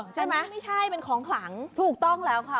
ใช่มั้ยไม่ใช่เป็นของฝั่งถูกต้องแล้วค่ะ